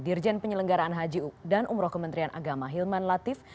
dirjen penyelenggaraan haji dan umroh kementerian agama hilman latif